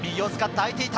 空いていた。